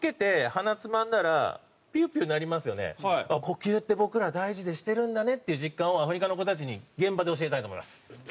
呼吸って僕ら大事でしてるんだねっていう実感をアフリカの子たちに現場で教えたいと思います。